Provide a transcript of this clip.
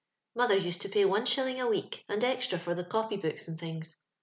Mother used to pay one shilling a week, and extra for the copy books and things.